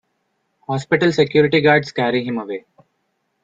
Hospital security guards carry him away.